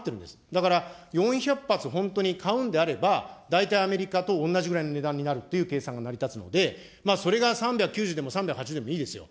だから、４００発本当に買うんであれば、大体アメリカと同じぐらいの値段になるという計算が成り立つんで、それが３９０でも３８０でもいいですよ。